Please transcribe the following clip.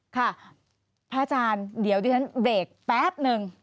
ค่ะพระอาจารย์เดี๋ยวดิฉันเบรกแป๊บนึง